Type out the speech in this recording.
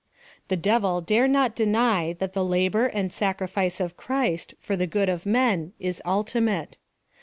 The devil dare not deny that the labor and sacrifice of Christ for the good of men is ultimate.